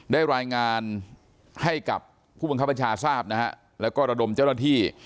ได้รายงานให้กับผู้บังคับบัญชาทราบนะฮะแล้วก็ระดมเจ้าหน้าที่